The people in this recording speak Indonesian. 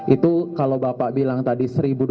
itu kalau bapak bilang tadi